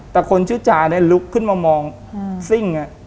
แต่คนชื่อจาเนี่ยลุกขึ้นมามองซิ่ง